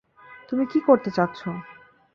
তুমি কী করতে চাচ্ছো?